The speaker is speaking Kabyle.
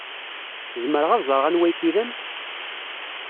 Zemreɣ ad ẓreɣ anwa ay k-ilan?